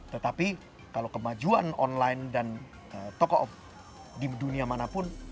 tetapi kalau kemajuan online dan toko off di dunia manapun